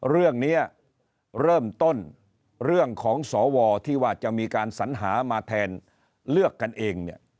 เรื่องนี้เริ่มต้นเรื่องของสวที่ว่าจะมีการสัญหามาแทนเลือกกันเองเนี่ย